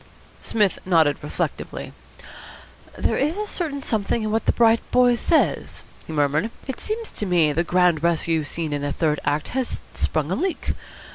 Psmith nodded reflectively. "There is certainly something in what the bright boy says," he murmured. "It seems to me the grand rescue scene in the third act has sprung a leak.